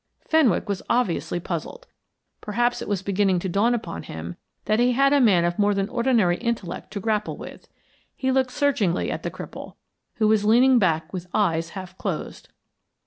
Fenwick was obviously puzzled. Perhaps it was beginning to dawn upon him that he had a man of more than ordinary intellect to grapple with. He looked searchingly at the cripple, who was leaning back with eyes half closed.